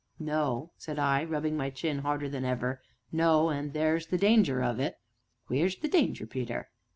"No," said I, rubbing my chin harder than ever; "no and there's the danger of it." "Wheer's t' danger, Peter?"